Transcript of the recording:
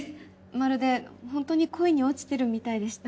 まるでホントに恋に落ちてるみたいでした。